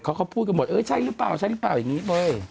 เขาก็พูดกันหมดเออใช่หรือเปล่าใช่หรือเปล่าอย่างนี้เว้ย